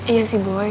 iya sih boy